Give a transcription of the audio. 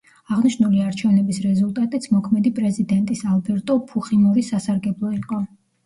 აღნიშნული არჩევნების რეზულტატიც მოქმედი პრეზიდენტის ალბერტო ფუხიმორის სასარგებლო იყო.